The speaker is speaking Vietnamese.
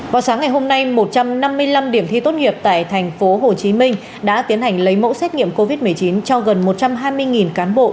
vào sáng ngày hôm nay một trăm năm mươi năm điểm thi tốt nghiệp tại tp hcm đã tiến hành lấy mẫu xét nghiệm covid một mươi chín cho gần một trăm hai mươi cán bộ